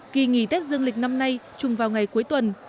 kỳ nghỉ tết dương lịch năm nay trùng vào ngày cuối tuần